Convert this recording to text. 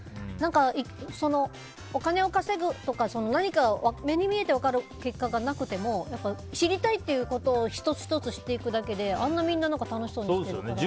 お金を稼ぐとか何か目に見えて分かる結果がなくても知りたいっていうことを１つ１つ知っていくだけであんなにみんな楽しそうにしてるから。